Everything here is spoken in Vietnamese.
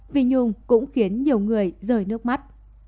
phi nhung cũng khiến nhiều người rời nước mắt